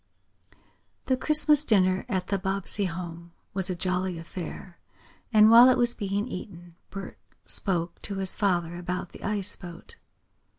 The Christmas dinner at the Bobbsey home was a jolly affair, and while it was being eaten Bert spoke to his father about the ice boat.